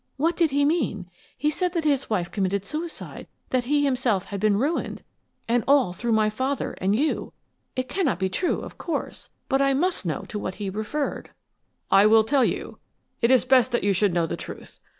What did he mean? He said that his wife committed suicide; that he himself had been ruined! And all through my father and you! It cannot be true, of course; but I must know to what he referred!" "I will tell you. It is best that you should know the truth.